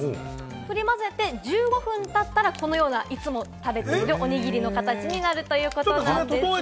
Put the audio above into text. ふり混ぜて１５分経ったら、このようないつも食べているおにぎりの形になるということなんです。